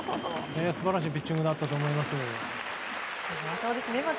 素晴らしいピッチングだったと思います。